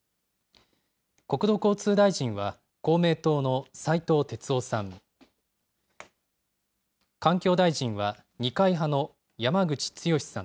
国土交通大臣は公明党の斉藤鉄夫さん。